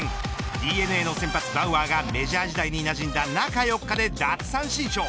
ＤｅＮＡの先発バウアーがメジャー時代に馴染んだ中４日で奪三振ショー。